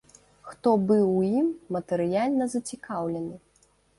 Хто быў у ім матэрыяльна зацікаўлены?